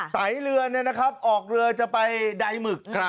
ถ่ายเรือนนี่นะครับออกเรือจะไปได่หมึก